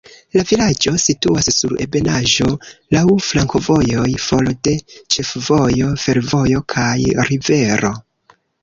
La vilaĝo situas sur ebenaĵo, laŭ flankovojoj, for de ĉefvojo, fervojo kaj rivero.